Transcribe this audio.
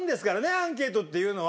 アンケートっていうのは。